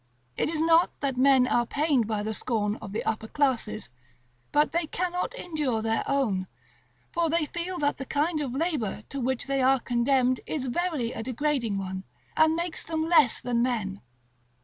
It is not that men are pained by the scorn of the upper classes, but they cannot endure their own; for they feel that the kind of labor to which they are condemned is verily a degrading one, and makes them less than men.